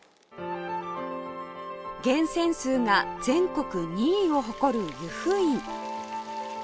源泉数が全国２位を誇る由布院